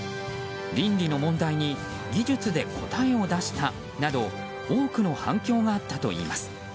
倫理の問題に技術で答えを出したなど多くの反響があったといいます。